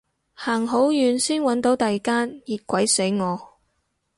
行好遠先搵到第間，熱鬼死我